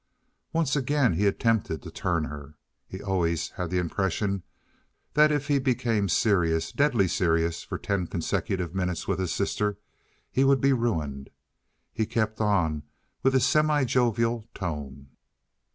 Once again he attempted to turn her. He always had the impression that if he became serious, deadly serious for ten consecutive minutes with his sister, he would be ruined. He kept on with his semi jovial tone.